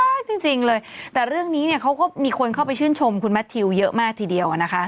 จริงจริงเลยแต่เรื่องนี้เนี่ยเขาก็มีคนเข้าไปชื่นชมคุณแมททิวเยอะมากทีเดียวอ่ะนะคะ